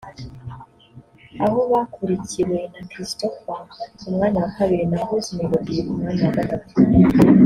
aho bakurikiwe na Christopher ku mwanya wa kabiri na Bruce Melody ku mwanya wa gatatu